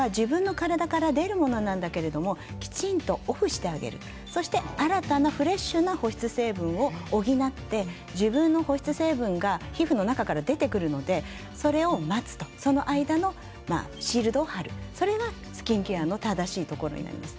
皮脂は自分の体から出るものなんだけれどきちんとオフしてあげる新たなフレッシュな保湿成分を補って自分の保湿成分が皮膚の中から出てくるのでまずその間のシールドを張るそれがスキンケアの正しいところです。